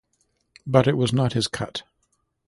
But it was not his cut.